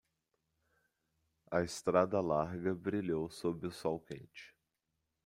A estrada larga brilhou sob o sol quente.